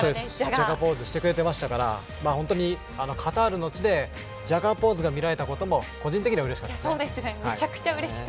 ジャガーポーズも寿人さんが名付けて本当にカタールの地でジャガーポーズが見られたことも個人的にはうれしかったです。